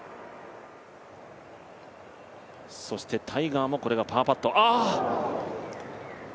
そしてタイガーもこれがパーパット。